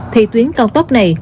thì tuyến cao tốc này